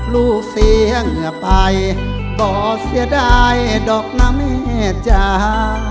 ลูกเสียงเหงื่อไปก็เสียดายดอกนะแม่จ้า